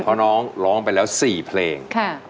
เพราะน้องร้องไปแล้ว๔เพลง